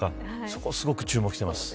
そこに注目しています。